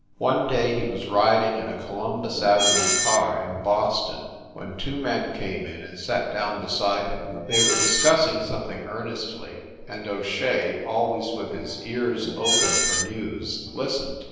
One day he was riding in a Columbus Avenue car, in Boston, when two men came in and sat down be side him. They were discussing something ear^ THE NORCROSS APARTMENTS 285 nestly, and O Shea, always with his ears open for news, listened.